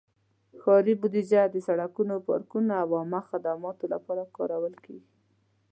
ښاري بودیجه د سړکونو، پارکونو، او عامه خدماتو لپاره کارول کېږي.